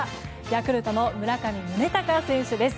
ヤクルトの村上宗隆選手です。